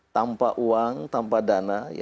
tanpa uang tanpa dana